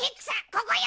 ここよ。